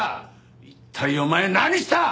一体お前何した！？